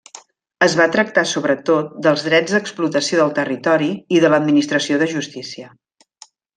Es va tractar sobretot dels drets d'explotació del territori i de l'administració de justícia.